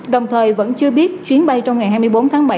đồng thời vẫn chưa biết chuyến bay trong ngày hai mươi bốn tháng bảy